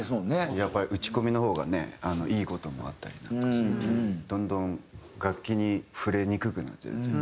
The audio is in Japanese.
やっぱり打ち込みの方がねいい事もあったりなんかしてどんどん楽器に触れにくくなってる。